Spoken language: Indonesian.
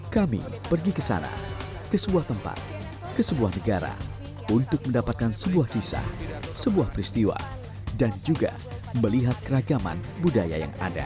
kami pergi ke sana ke sebuah tempat ke sebuah negara untuk mendapatkan sebuah kisah sebuah peristiwa dan juga melihat keragaman budaya yang ada